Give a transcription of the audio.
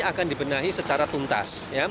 akan dibenahi secara tuntas